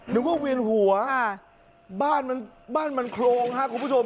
นึกว่าเวียนหัวบ้านมันบ้านมันโครงครับคุณผู้ชม